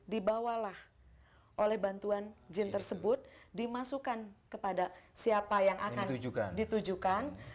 dibawalah oleh bantuan jin tersebut dimasukkan kepada siapa yang akan ditujukan